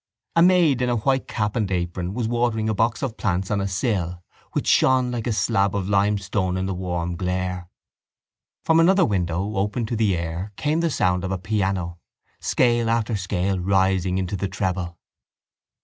A maid in a white cap and apron was watering a box of plants on a sill which shone like a slab of limestone in the warm glare. From another window open to the air came the sound of a piano, scale after scale rising into the treble.